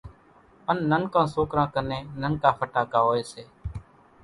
ان ننڪان سوڪران ڪنين ننڪا ڦٽاڪا ھوئي سي